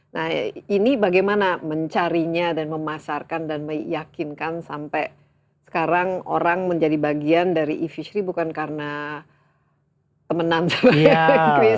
nah ini bagaimana mencarinya dan memasarkan dan meyakinkan sampai sekarang orang menjadi bagian dari e fishery bukan karena temenan sama yang kris